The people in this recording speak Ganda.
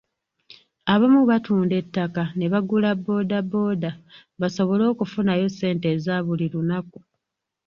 Abamu batunda ettaka ne bagula bbooda booda basobole okufunayo ssente eza buli lunaku.